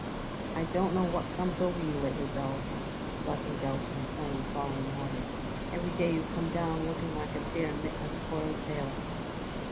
"I don't know what comes over you lately, Belz," Lesengeld complained the following morning. "Every day you come down looking like a bear mit a spoiled tail."